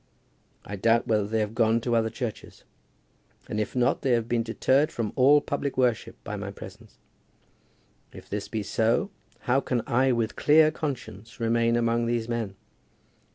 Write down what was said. I doubt whether they have gone to other churches; and if not they have been deterred from all public worship by my presence. If this be so, how can I with a clear conscience remain among these men?